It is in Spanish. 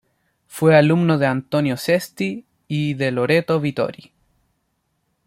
Fue alumno de Antonio Cesti y de Loreto Vittori.